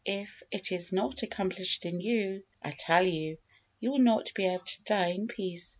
If it is not accomplished in you, I tell you, you will not be able to die in peace.